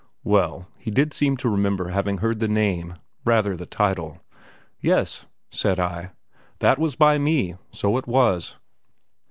Well, he did seem to remember having heard the name, rather the title. "Yes," said I, "that was by me, so it was."